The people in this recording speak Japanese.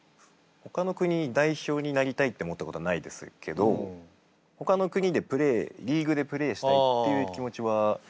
ほかの国の代表になりたいと思ったことないですけどほかの国でプレーリーグでプレーしたいっていう気持ちはありましたね。